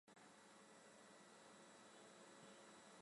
暹罗盾蛭为舌蛭科盾蛭属的动物。